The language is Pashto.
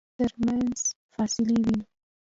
ترمنځ فاصله وينو.